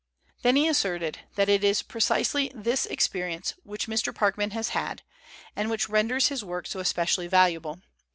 Then he asserted that "it is precisely this experience which Mr. Parkman has had, and which renders his work so especially valuable.